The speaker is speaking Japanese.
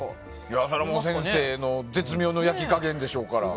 それも先生の絶妙な焼き加減でしょうから。